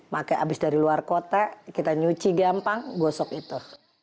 maka abis dari luar kota kita nyuci gampang gosok itu